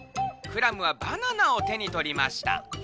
クラムはバナナをてにとりました。